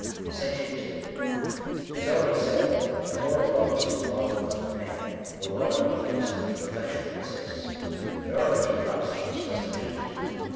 §»• As already said (p. 15) the moral law must be the law of the » perfect man — the law in obedience to which perfection consists. I There are but two propositions for us to choose between.